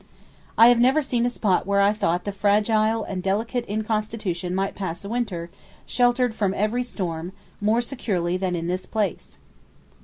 I have never seen a spot where I thought the fragile and delicate in constitution might pass a winter, sheltered from every storm, more securely than in this place.